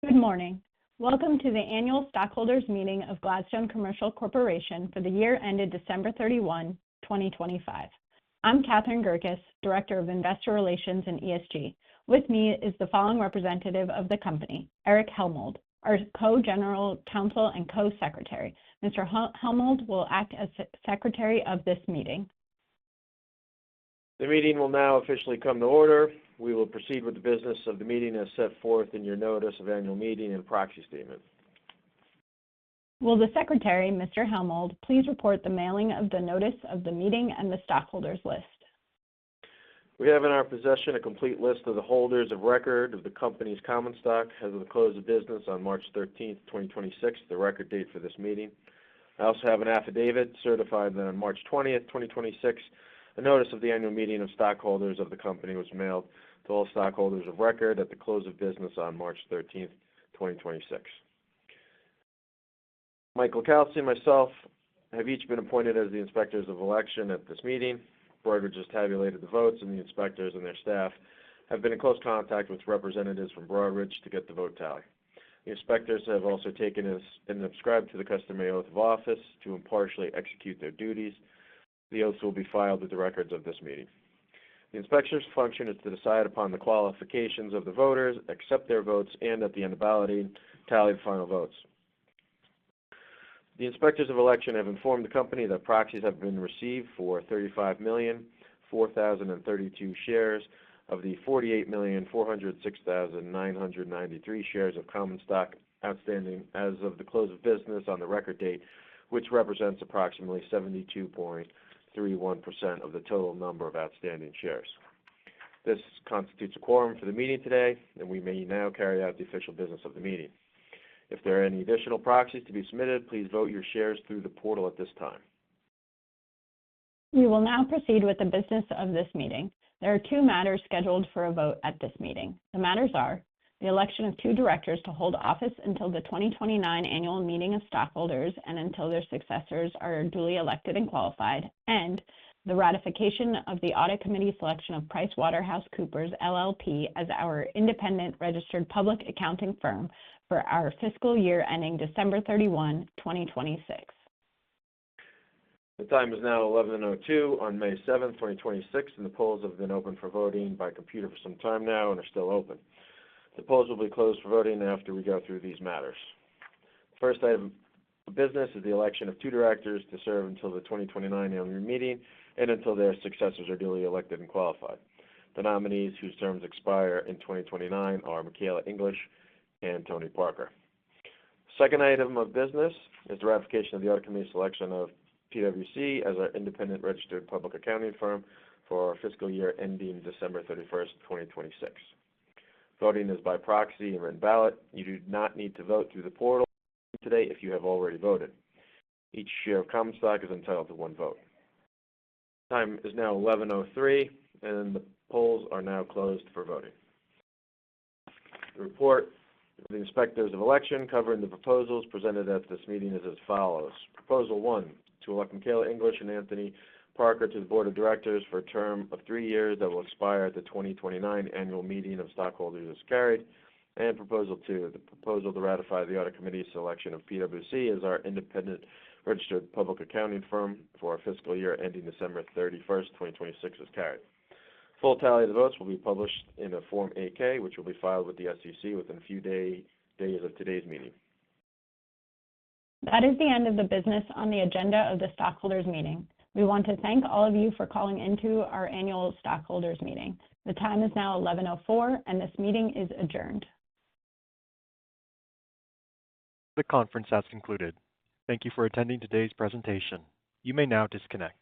Good morning. Welcome to the annual stockholders meeting of Gladstone Commercial Corporation for the year ended December 31, 2025. I'm Catherine Gerkis, Director of Investor Relations and ESG. With me is the following representative of the company, Erich Hellmold, our Co-General Counsel and Co-Secretary. Mr. Hellmold will act as secretary of this meeting. The meeting will now officially come to order. We will proceed with the business of the meeting as set forth in your notice of annual meeting and proxy statement. Will the Secretary, Mr. Hellmold, please report the mailing of the notice of the meeting and the stockholders list. We have in our possession a complete list of the holders of record of the company's common stock as of the close of business on March 13th, 2026, the record date for this meeting. I also have an affidavit certified that on March 20th, 2026, a notice of the annual meeting of stockholders of the company was mailed to all stockholders of record at the close of business on March 13th, 2026. Michael LiCalsi and myself have each been appointed as the inspectors of election at this meeting. Broadridge has tabulated the votes, and the inspectors and their staff have been in close contact with representatives from Broadridge to get the vote tally. The inspectors have also taken and subscribed to the customary oath of office to impartially execute their duties. The oaths will be filed with the records of this meeting. The inspector's function is to decide upon the qualifications of the voters, accept their votes, and at the end of balloting, tally the final votes. The inspectors of election have informed the company that proxies have been received for 35,004,032 shares of the 48,406,993 shares of common stock outstanding as of the close of business on the record date, which represents approximately 72.31% of the total number of outstanding shares. This constitutes a quorum for the meeting today, and we may now carry out the official business of the meeting. If there are any additional proxies to be submitted, please vote your shares through the portal at this time. We will now proceed with the business of this meeting. There are two matters scheduled for a vote at this meeting. The matters are the election of two directors to hold office until the 2029 annual meeting of stockholders and until their successors are duly elected and qualified, and the ratification of the audit committee selection of PricewaterhouseCoopers LLP as our independent registered public accounting firm for our fiscal year ending December 31, 2026. The time is now 11:02 on May 7th, 2026, and the polls have been open for voting by computer for some time now and are still open. The polls will be closed for voting after we go through these matters. First item of business is the election of two directors to serve until the 2029 annual meeting and until their successors are duly elected and qualified. The nominees whose terms expire in 2029 are Michela English and Tony Parker. Second item of business is the ratification of the audit committee's selection of PwC as our independent registered public accounting firm for our fiscal year ending December 31st, 2026. Voting is by proxy and written ballot. You do not need to vote through the portal today if you have already voted. Each share of common stock is entitled to one vote. The time is now 11:03, and the polls are now closed for voting. The report of the inspectors of election covering the proposals presented at this meeting is as follows. Proposal 1, to elect Michela English and Anthony Parker to the board of directors for a term of three years that will expire at the 2029 annual meeting of stockholders is carried. Proposal 2, the proposal to ratify the audit committee's selection of PwC as our independent registered public accounting firm for our fiscal year ending December 31st, 2026 is carried. Full tally of the votes will be published in a Form 8-K, which will be filed with the SEC within a few days of today's meeting. That is the end of the business on the agenda of the stockholders meeting. We want to thank all of you for calling into our annual stockholders meeting. The time is now 11:04 A.M. This meeting is adjourned. The conference has concluded. Thank you for attending today's presentation. You may now disconnect.